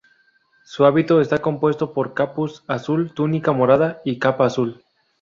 Su hábito está compuesto por capuz azul, túnica morada y capa azul.